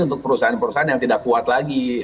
untuk perusahaan perusahaan yang tidak kuat lagi